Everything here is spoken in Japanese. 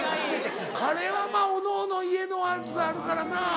カレーはまぁおのおの家のやつがあるからな。